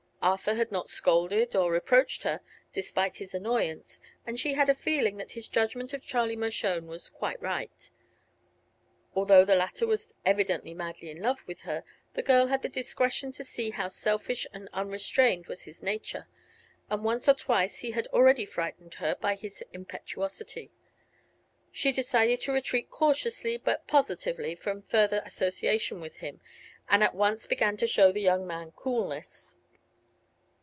Arthur had not scolded or reproached her, despite his annoyance, and she had a feeling that his judgment of Charlie Mershone was quite right. Although the latter was evidently madly in love with her the girl had the discretion to see how selfish and unrestrained was his nature, and once or twice he had already frightened her by his impetuosity. She decided to retreat cautiously but positively from further association with him, and at once began to show the young man coolness.